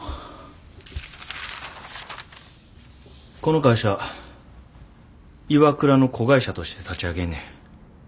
この会社ＩＷＡＫＵＲＡの子会社として立ち上げんねん。